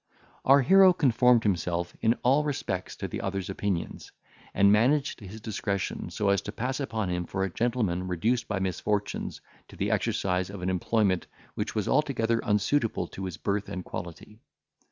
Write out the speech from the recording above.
Our hero conformed himself in all respects to the other's opinions, and managed his discretion so as to pass upon him for a gentleman reduced by misfortunes to the exercise of an employment which was altogether unsuitable to his birth and quality.